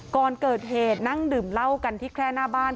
ก่อนเกิดเหตุนั่งดื่มเหล้ากันที่แค่หน้าบ้าน